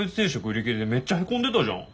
売り切れでめっちゃへこんでたじゃん。